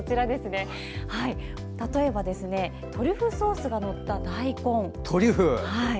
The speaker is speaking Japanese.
例えばトリュフソースの載った大根